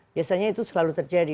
biasanya itu selalu terjadi